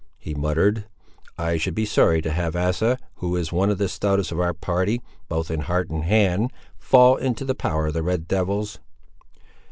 he muttered. "I should be sorry to have Asa, who is one of the stoutest of our party, both in heart and hand, fall into the power of the red devils."